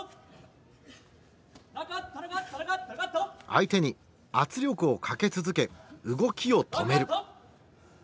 相手に圧力をかけ続け動きを止める。